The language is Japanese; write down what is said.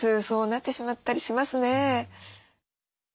そうなってしまったりしますね。